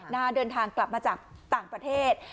เดินทางกลับมาจากต่างประเทศ